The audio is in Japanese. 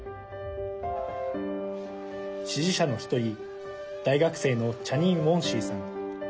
支持者の一人、大学生のチャニン・ウォンシーさん。